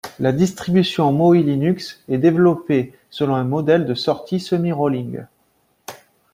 La distribution Maui Linux est développée selon un modèle de sorties semi-rolling.